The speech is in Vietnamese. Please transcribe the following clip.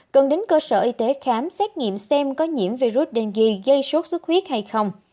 cần đến cơ sở y tế khám xét nghiệm xem có nhiễm virus đen ghi gây sốt sốt huyết hay không